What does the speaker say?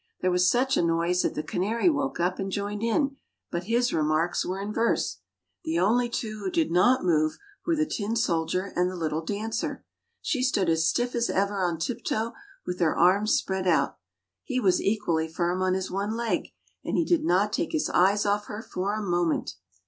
There was such a noise that the canary woke up and joined in, but his remarks were in verse. The only two who did not move were the tin soldier and the little dancer. She stood as stiff as ever on tip toe, with her arms spread out: he was equally firm on his one leg, and he did not take his eyes off her for a moment.